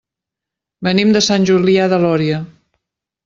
Venim de Sant Julià de Lòria.